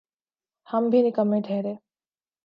ہم بھی نکمّے ٹھہرے۔